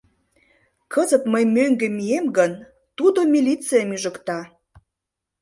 Кызыт мый мӧҥгӧ мием гын, тудо милицийым ӱжыкта.